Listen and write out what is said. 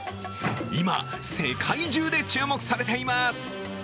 今、世界中で注目されています。